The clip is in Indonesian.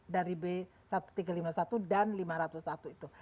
dari b seribu tiga ratus lima puluh satu dan lima ratus satu itu